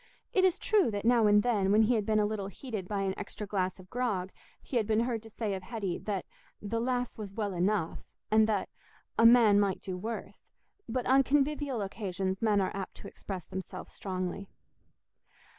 It is true that, now and then, when he had been a little heated by an extra glass of grog, he had been heard to say of Hetty that the "lass was well enough," and that "a man might do worse"; but on convivial occasions men are apt to express themselves strongly.